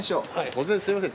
突然すみません。